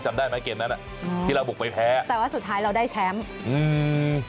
จำได้ไหมเกมนั้นอ่ะอืมที่เราบุกไปแพ้แต่ว่าสุดท้ายเราได้แชมป์อืม